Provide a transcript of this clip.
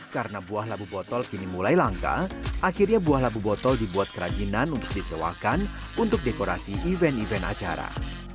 karena buah labu botol kini mulai langka akhirnya buah labu botol dibuat kerajinan untuk disewakan untuk dekorasi event event acara